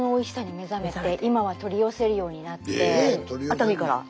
熱海から。